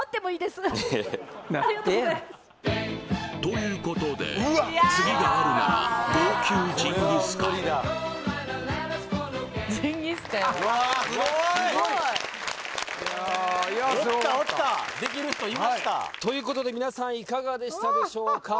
すごい！いやすごかったおったおったできる人いましたということで皆さんいかがでしたでしょうか？